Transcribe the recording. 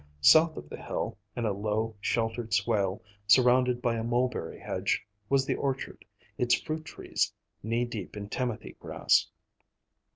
South of the hill, in a low, sheltered swale, surrounded by a mulberry hedge, was the orchard, its fruit trees knee deep in timothy grass.